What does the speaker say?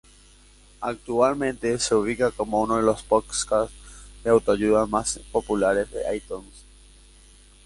Actualmente se ubica como uno de los podcasts de autoayuda más populares en iTunes.